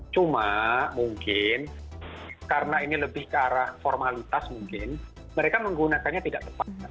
cuma mungkin karena ini lebih ke arah formalitas mungkin mereka menggunakannya tidak tepat